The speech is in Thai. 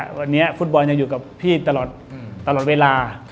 วันนี้ฟุตบอลยังอยู่กับพี่ตลอดเวลา